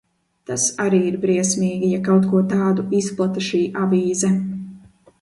Tas arī ir briesmīgi, ja kaut ko tādu izplata šī avīze.